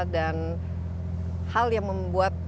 dan hal yang membuat